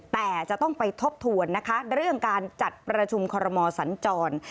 แต่จะต้องไปทบทวนนะคะเรื่องการจัดประชุมคอรมอสัญจร